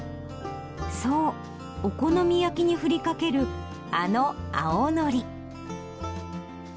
そうお好み焼きに振りかけるあの青のり。